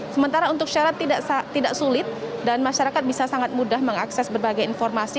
sementara untuk syarat tidak sulit dan masyarakat bisa sangat mudah mengakses berbagai informasi